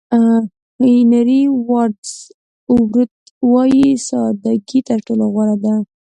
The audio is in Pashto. هېنري واډز اورت وایي ساده ګي تر ټولو غوره ده.